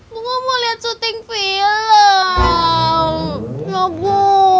bunga mau lihat syuting film lo bu